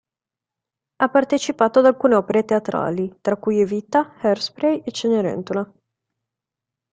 Ha partecipato ad alcune opere teatrali, tra cui Evita, Hairspray e Cenerentola.